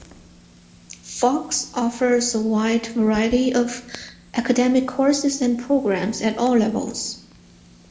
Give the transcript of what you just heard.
Fox offers a wide variety of academic courses and programs at all levels.